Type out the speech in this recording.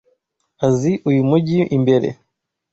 Azi uyu mujyi imbere.